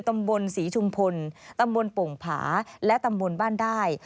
ตำบลศรีชุมพลตำบลโป่งผาและตำบลบ้านได้